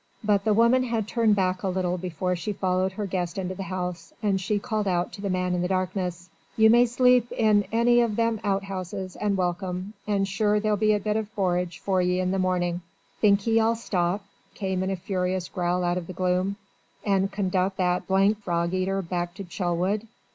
But the woman had turned back a little before she followed her guest into the house, and she called out to the man in the darkness: "You may zleep in any of them outhouses and welcome, and zure there'll be a bit o' porridge for ye in the mornin'!" "Think ye I'll stop," came in a furious growl out of the gloom, "and conduct that d d frogeater back to Chelwood?